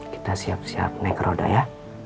kita siap siap naik roda ya